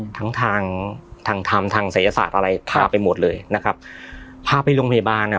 ทางทางธรรมทางศัยศาสตร์อะไรพาไปหมดเลยนะครับพาไปโรงพยาบาลอ่ะ